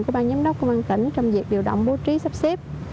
của bang giám đốc công an tỉnh trong việc điều động bố trí sắp xếp